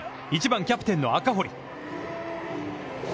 １番キャプテンの赤堀。